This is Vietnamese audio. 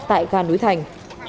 tại ga núi thành